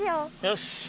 よし！